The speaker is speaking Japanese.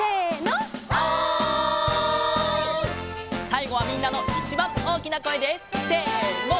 さいごはみんなのいちばんおおきなこえでせの！